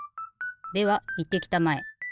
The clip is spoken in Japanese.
ではいってきたまえ。